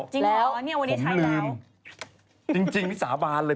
จริงเหรอวันนี้ใครเปล่าแล้วผมลืมจริงนี่สาบานเลย